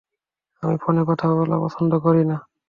আমি ফোনে কথা বলা পছন্দ করি না।